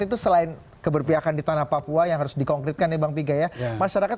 itu selain keberpihakan di tanah papua yang harus di konkretkan nih bang pigaya masyarakat